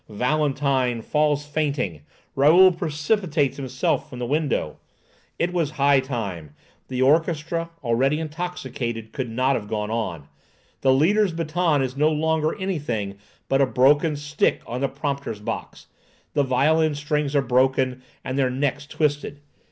Valentine falls fainting. Raoul precipitates himself from the window. It was high time. The orchestra, really intoxicated, could not have gone on. The leader's baton is no longer anything but a broken stick on the prompter's box. The violin strings are broken, and their necks twisted.